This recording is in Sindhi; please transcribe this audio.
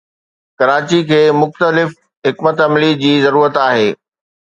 ڪراچي کي مختلف حڪمت عملي جي ضرورت آهي.